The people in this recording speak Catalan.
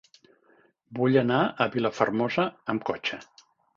Vull anar a Vilafermosa amb cotxe.